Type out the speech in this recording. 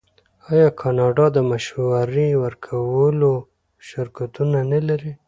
آیا کاناډا د مشورې ورکولو شرکتونه نلري؟